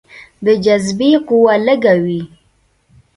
د جاذبې قوه لږه وي.